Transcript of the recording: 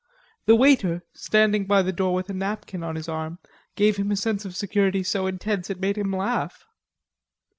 The waiter, standing by the door with a napkin on his arm, gave him a sense of security so intense it made him laugh.